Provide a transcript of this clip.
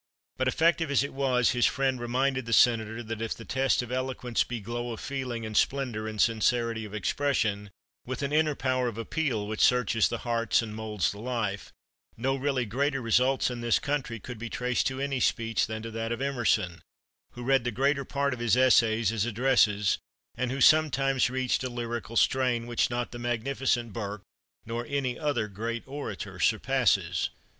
But effective as it was, his friend reminded the Senator that if the test of eloquence be glow of feeling and splendor and sincerity of expression, with an inner power of appeal which searches the heart and moulds the life, no really greater results in this country could be traced to any speech than to that of Emerson, who read the greater part of his essays as addresses, and who sometimes reached a lyrical strain which not the magnificent Burke nor any other great orator surpasses.